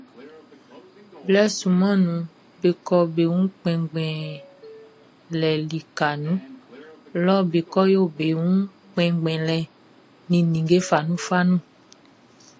Blɛ sunman nunʼn, be kɔ be wun kpinngbinlɛ likaʼn nun lɔ be ko yo be wun kpinngbinlɛ nin ninnge fanunfanun.